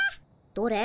どれ？